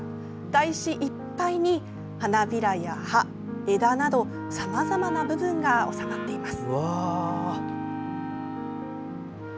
台紙いっぱいに花びらや葉、枝などさまざまな部分が収まっています。